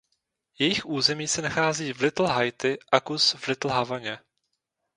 Jejich území se nachází v Little Haiti a kus v Little Havaně.